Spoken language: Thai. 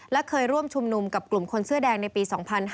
และเคยร่วมชุมนุมกับกลุ่มคนเสื้อแดงในปี๒๕๕๙